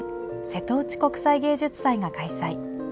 瀬戸内国際芸術祭が開催。